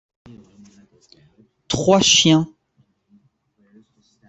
Trois chiens.